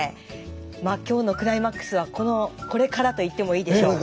まあ今日のクライマックスはこれからと言ってもいいでしょう。